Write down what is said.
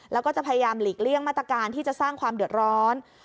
แล้วก็จะพยายามหลีกเลี่ยงมาตรการที่จะสร้างความเดือดร้อน